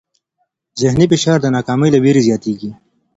ذهني فشار د ناکامۍ له وېرې زیاتېږي.